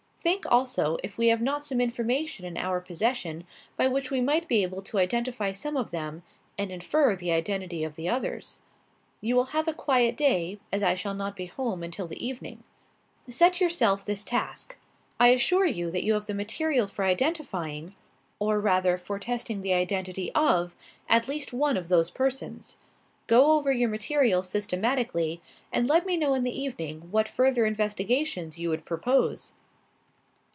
Think, also, if we have not some information in our possession by which we might be able to identify some of them, and infer the identity of the others. You will have a quiet day, as I shall not be home until the evening; set yourself this task. I assure you that you have the material for identifying or rather for testing the identity of at least one of those persons. Go over your material systematically, and let me know in the evening what further investigations you would propose."